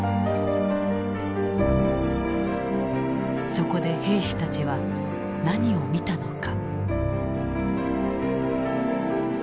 そこで兵士たちは何を見たのか。